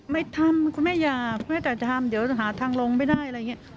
ไม่ทำคุณแม่อยากแม่แต่ทำเดี๋ยวหาทางลงไม่ได้อะไรอย่างนี้